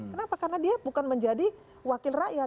kenapa karena dia bukan menjadi wakil rakyat